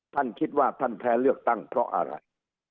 ท่านคิดว่าท่านแพ้เลือกตั้งเพราะอะไร